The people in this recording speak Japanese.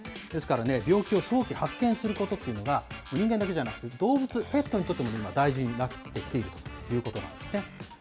ですから、病気を早期発見することというのが人間だけではなくて、動物、ペットにとっても今、大事になってきているということなんですね。